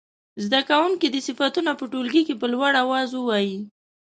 زده کوونکي دې صفتونه په ټولګي کې په لوړ اواز ووايي.